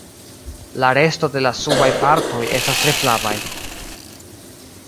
La resto de la subaj partoj estas tre flavaj.